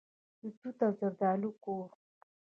د توت او زردالو کور.